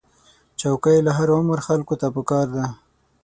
چوکۍ له هر عمر خلکو ته پکار ده.